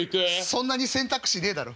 そんなに選択肢ねえだろ。